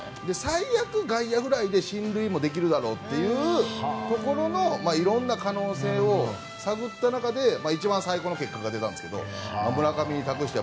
最悪、外野くらいで進塁もできるだろうといういろんな可能性を探った中で一番最高の結果が出たんですが村上に託して。